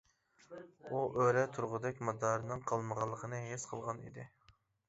ئۇ ئۆرە تۇرغۇدەك مادارىنىڭ قالمىغانلىقىنى ھېس قىلغان ئىدى.